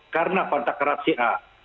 karena kontak keras si a